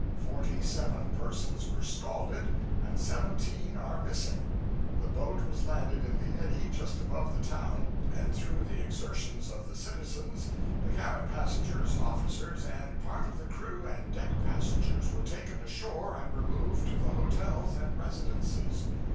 Forty seven persons were scalded and seventeen are missing. The boat was landed in the eddy just above the town, and through the exertions of the citizens the cabin passengers, officers, and part of the crew and deck passengers were taken ashore and removed to the hotels and residences.